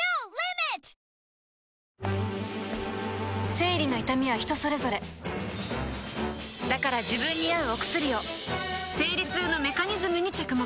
生理の痛みは人それぞれだから自分に合うお薬を生理痛のメカニズムに着目